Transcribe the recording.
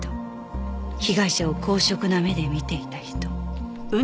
被害者を好色な目で見ていた人